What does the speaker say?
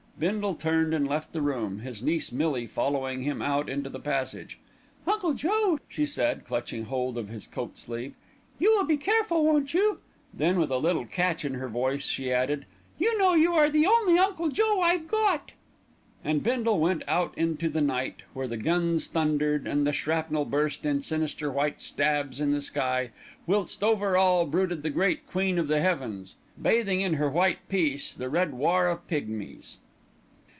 Bindle turned and left the room, his niece Millie following him out into the passage. "Uncle Joe," she said, clutching hold of his coat sleeve, "you will be careful, won't you?" Then with a little catch in her voice, she added, "You know you are the only Uncle Joe I've got." And Bindle went out into the night where the guns thundered and the shrapnel burst in sinister white stabs in the sky, whilst over all brooded the Great Queen of the heavens, bathing in her white peace the red war of pigmies.